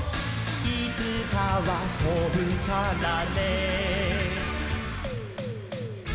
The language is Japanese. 「いつかはとぶからね」